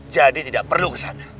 jadi tidak perlu ke sana